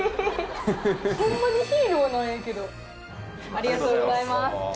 ありがとうございます。